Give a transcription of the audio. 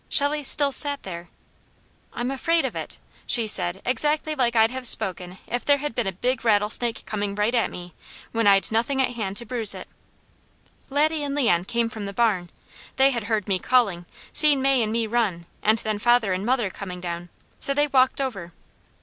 Shelley still sat there. "I'm afraid of it," she said exactly like I'd have spoken if there had been a big rattlesnake coming right at me, when I'd nothing at hand to bruise it. Laddie and Leon came from the barn. They had heard me calling, seen May and me run, and then father and mother coming down, so they walked over.